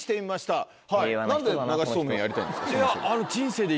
何で流しそうめんやりたいんですか？